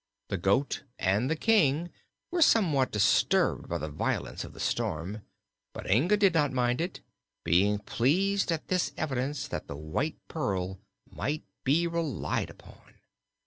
The goat and the King were somewhat disturbed by the violence of the storm, but Inga did not mind it, being pleased at this evidence that the White Pearl might be relied upon.